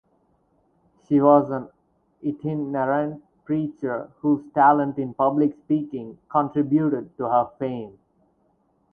She was an itinerant preacher whose talent in public speaking contributed to her fame.